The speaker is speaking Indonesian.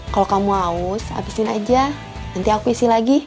kalau kamu haus habisin aja nanti aku isi lagi